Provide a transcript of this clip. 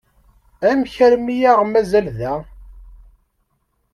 Amek armi i aɣ-mazal da?